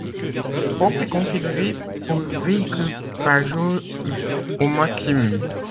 Le pont est configuré pour véhicules par jour au maximum.